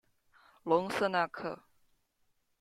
隆瑟纳克。